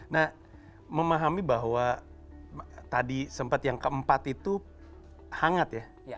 nah memahami bahwa tadi sempet yang ke empat itu hangat ya